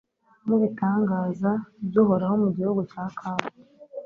n’ibitangaza by’Uhoraho mu gihugu cya Kamu